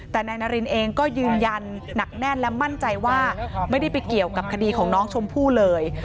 แต่นายนารินเองก็ยืนยันหนักแน่นและมั่นใจว่าไม่ได้ไปเกี่ยวกับคดีของน้องชมพู่เลย